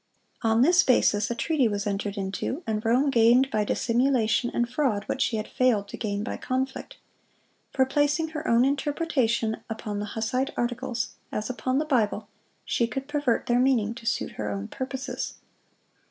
(155) On this basis a treaty was entered into, and Rome gained by dissimulation and fraud what she had failed to gain by conflict; for, placing her own interpretation upon the Hussite articles, as upon the Bible, she could pervert their meaning to suit her own purposes.